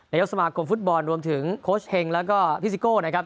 นายศมากรมฟุตบอลรวมถึงโคชเฮงและพี่ซิโก้นะครับ